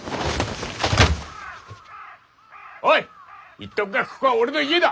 言っとくがここは俺の家だ！